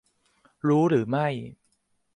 รู้หรือไม่ !